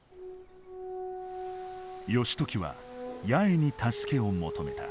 義時は八重に助けを求めた。